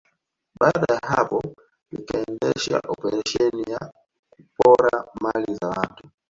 Baada ya hapo likaendesha operesheni ya kupora mali za watu